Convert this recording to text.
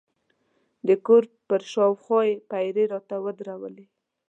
د کور پر شاوخوا یې پیرې راته ودرولې.